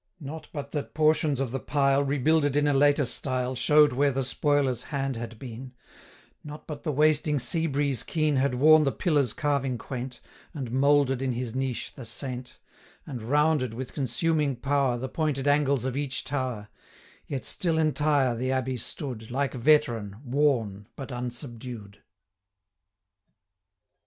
Not but that portions of the pile, Rebuilded in a later style, 185 Show'd where the spoiler's hand had been; Not but the wasting sea breeze keen Had worn the pillar's carving quaint, And moulder'd in his niche the saint, And rounded, with consuming power, 190 The pointed angles of each tower; Yet still entire the Abbey stood, Like veteran, worn, but unsubdued.